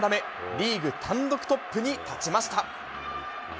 リーグ単独トップに立ちました。